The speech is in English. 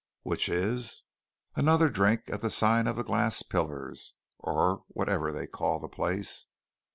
"Which is?" "Another drink at the sign of the Glass Pillars, or whatever they call the place."